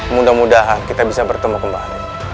mudah mudahan kita bisa bertemu kembali